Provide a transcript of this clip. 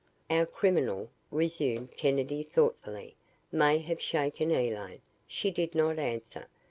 "Our criminal," resumed Kennedy thoughtfully, "may have shaken Elaine. She did not answer.